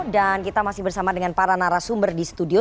kita masih bersama dengan para narasumber di studio